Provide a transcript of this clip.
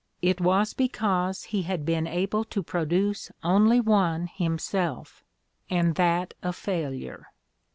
It was because he had been able to produce only one himself, and that a failure.